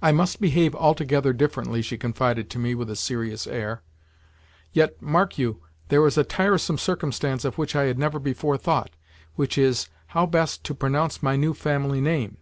"I must behave altogether differently," she confided to me with a serious air. "Yet, mark you, there is a tiresome circumstance of which I had never before thought—which is, how best to pronounce my new family name.